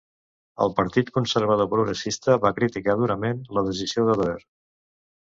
El Partit Conservador Progressista va criticar durament la decisió de Doer.